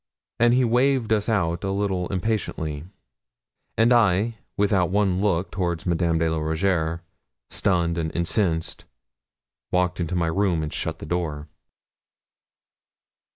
And he waved us out a little impatiently; and I, without one look toward Madame de la Rougierre, stunned and incensed, walked into my room and shut the door.